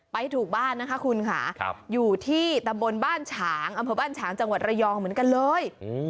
ไปถูกบ้านนะคะคุณค่ะอยู่ที่ตำบลบ้านฉางอำเภอบ้านฉางจังหวัดระยองเหมือนกันเลย